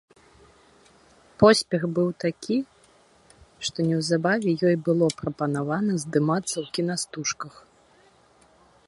Поспех быў такі, што неўзабаве ёй было прапанавана здымацца ў кінастужках.